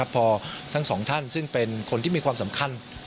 พอทั้งสองท่านซึ่งเป็นคนที่มีความสำคัญ